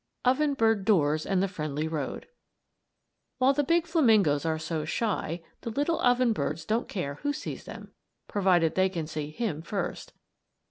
OVEN BIRD DOORS AND THE FRIENDLY ROAD While the big flamingoes are so shy, the little oven birds don't care who sees them provided they can see him first.